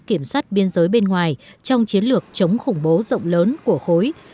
kiểm soát biên giới bên ngoài trong chiến lược chống khủng bố rộng lớn của khối